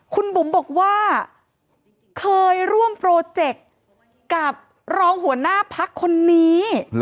คุณบุ๋มบอกว่าเคยร่วมโปรเจคกับรองหัวหน้าพักคนนี้